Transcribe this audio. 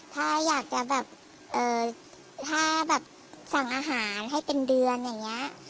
ถ้าอยากจะแบบถ้าแบบสั่งอาหารให้เป็นเดือนอย่างนี้